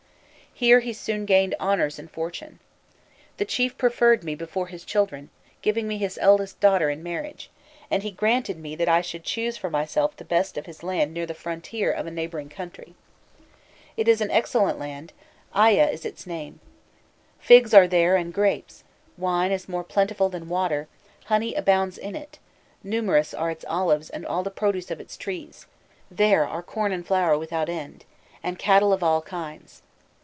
Here he soon gained honours and fortune. "The chief preferred me before his children, giving me his eldest daughter in marriage, and he granted me that I should choose for myself the best of his land near the frontier of a neighbouring country. It is an excellent land, Aîa is its name. Figs are there and grapes; wine is more plentiful than water; honey abounds in it; numerous are its olives and all the produce of its trees; there are corn and flour without end, and cattle of all kinds.